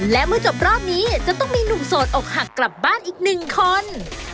และเมื่อจบรอบนี้จะต้องมีหนุ่มโสดอกหักกลับบ้านอีกหนึ่งคน